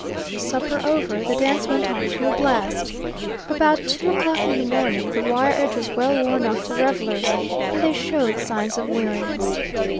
Supper over, the dance went on full blast. About two o'clock in the morning, the wire edge was well worn off the revelers, and they showed signs of weariness.